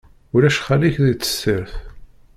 Ulac xali-k, di tessirt.